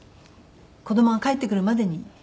子どもが帰ってくるまでに。